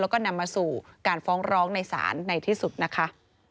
แล้วก็นำมาสู่การฟ้องร้องในศาลในที่สุดนะคะ